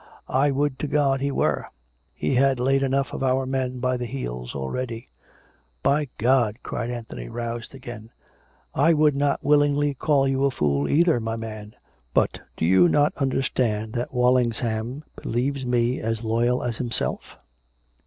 I would to God he were! He has laid enough of our men by the heels already." 272 COME RACK! COME ROPE! " By God !" cried Anthony, roused again. " I would not willingly call you a fool either, my man! But do you not understand that Walsingham believes me as loyal as himself?